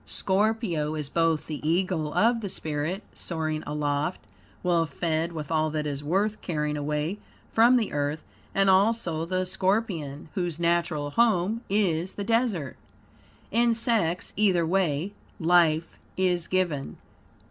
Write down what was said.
Scorpio is both the eagle of the spirit, soaring aloft, well fed with all that is worth carrying away from the earth; and also the scorpion, whose natural home is the desert. In sex, either way, life is given.